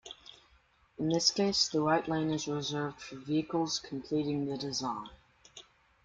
In this case, the right lane is reserved for vehicles completing the design.